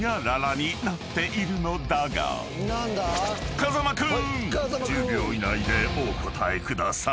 ［風間君１０秒以内でお答えください］